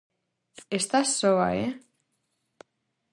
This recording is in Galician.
-Estás soa, eh?